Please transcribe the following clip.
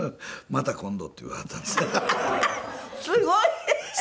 「また今度」って言わはったんですよ。